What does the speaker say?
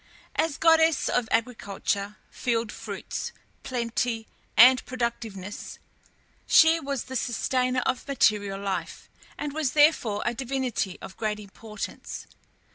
As goddess of agriculture, field fruits, plenty, and productiveness, she was the sustainer of material life, and was therefore a divinity of great importance.